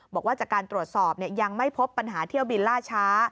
บอกว่าจากการตรวจสอบยังไม่พบปัญหาเที่ยวบินล่าช้า